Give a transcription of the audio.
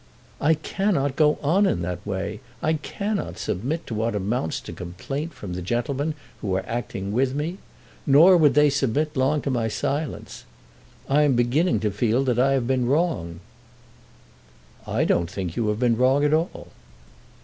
"I cannot go on in that way. I cannot submit to what amounts to complaint from the gentlemen who are acting with me. Nor would they submit long to my silence. I am beginning to feel that I have been wrong." "I don't think you have been wrong at all."